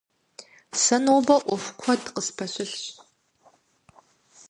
Сэ нобэ ӏуэху куэд къыспэщылъщ.